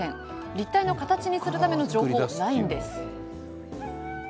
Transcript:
立体の形にするための情報はないんです。